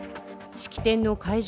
式典の会場